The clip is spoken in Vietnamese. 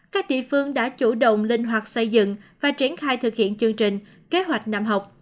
các địa phương đã chủ động linh hoạt xây dựng và triển khai thực hiện chương trình kế hoạch năm học